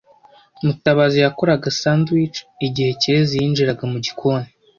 Mutabazi yakoraga sandwich igihe Kirezi yinjiraga mu gikoni.